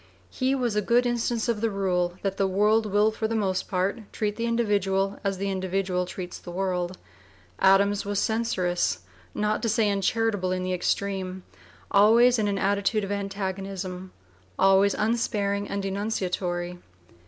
He was a good instance of the rule that the world will for the most part treat the individual as the individual treats the world. Adams was censorious, not to say uncharitable in the extreme, (p. vii) always in an attitude of antagonism, always unsparing and denunciatory.